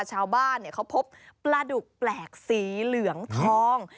ชาวบ้านเขาพบปลาดุกแปลกสีเหลืองทอง